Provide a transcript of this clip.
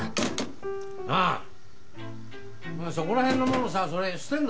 なあそこら辺のものさそれ捨てるの？